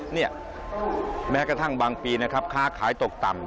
เนี่ยแม้กระทั่งบางปีนะครับค้าขายตกต่ำ